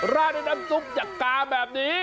ร่าในน้ำซุปอยากกาแบบนี้